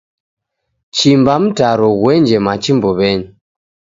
Chimba mtaro ghuenje machi mbuwenyi